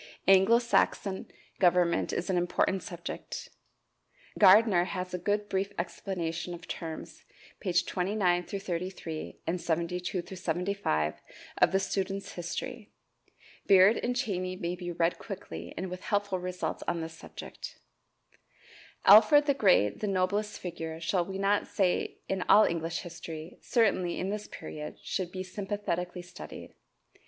Anglo Saxon government is an important subject. Gardiner has a good brief explanation of terms, pp. 29 33, and 72 75 of the "Students' History." Beard and Cheyney may be read quickly and with helpful results on this subject. Alfred the Great, the noblest figure, shall we not say in all English history certainly in this period, should be sympathetically studied.